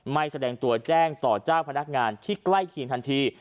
แสดงตัวแจ้งต่อเจ้าพนักงานที่ใกล้เคียงทันที